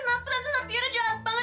kenapa tante safira jalan banget